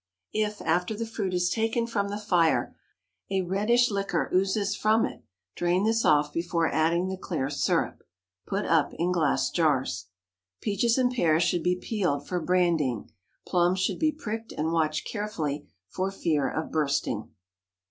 If, after the fruit is taken from the fire, a reddish liquor oozes from it, drain this off before adding the clear syrup. Put up in glass jars. Peaches and pears should be peeled for brandying. Plums should be pricked and watched carefully for fear of bursting.